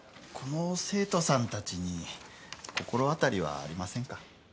この生徒さん達に心当たりはありませんか？